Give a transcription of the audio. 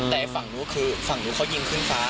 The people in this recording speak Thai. แต่ฝั่งนู้นคือฝั่งนู้นเขายิงขึ้นฟ้า